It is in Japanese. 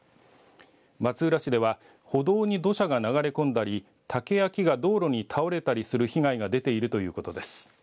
松浦市では歩道に土砂が流れ込んだり、竹や木が道路に倒れたりする被害が出ているということです。